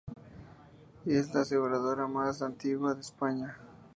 Es la aseguradora más antigua de España.